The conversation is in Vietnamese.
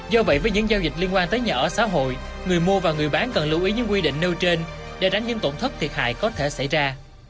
do vậy với những giao dịch liên quan tới nhà ở xã hội người mua và người bán cần lưu ý những quy định nêu trên để tránh những tổn thất thiệt hại có thể xảy ra